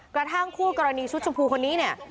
กระทั่งคู่กรณีชุดชมพูคนนี้เนี่ย